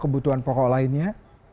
kebutuhan pokok lainnya